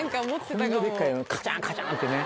こんなデッカいのカチャンカチャンってね。